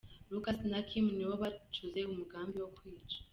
Lucas na Kim nibo bacuze umugambi wo kwica.